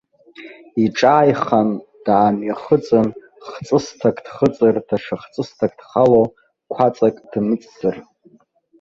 Иҿааихан, даамҩахыҵын, хҵысҭак дхыҵыр даҽа хҵысҭак дхало, қәаҵак дныҵсыр.